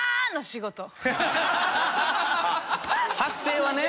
発声はね。